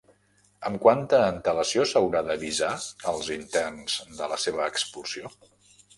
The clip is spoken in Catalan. Amb quanta antelació s'haurà d'avisar als interns de la seva expulsió?